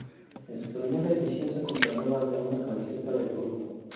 En su primera edición, se acompañaba de una camiseta del grupo.